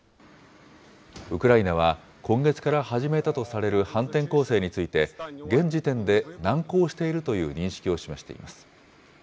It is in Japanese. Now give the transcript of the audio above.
ウクライナは今月から始めたとされる反転攻勢について、現時点で難航しているという認識を示しています。